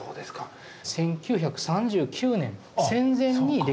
１９３９年戦前にできたものですね。